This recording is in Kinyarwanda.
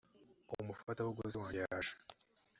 umufatabuguzi wanjye yaje